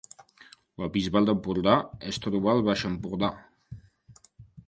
La Bisbal d’Empordà es troba al Baix Empordà